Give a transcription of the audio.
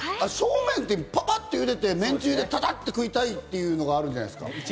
そうめんって、パパって茹でて、めんつゆでパパって食いたいっていのがあるじゃないですか。